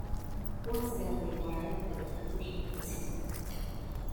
He once again retired at the conclusion of the season.